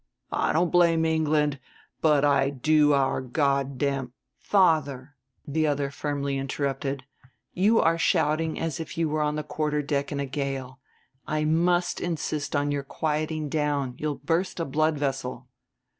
I don't blame England, but I do our God damn " "Father," the other firmly interrupted, "you are shouting as if you were on the quarter deck in a gale. I must insist on your quieting down; you'll burst a blood vessel."